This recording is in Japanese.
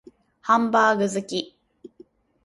ハンバーグ好き